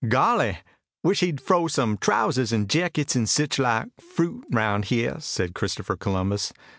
"Golly! wish he'd frow some trowsus an' jackits an' sich like fruit 'roun' here," said Christopher Columbus.